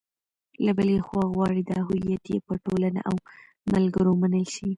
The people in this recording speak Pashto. له بلې خوا غواړي دا هویت یې په ټولنه او ملګرو ومنل شي.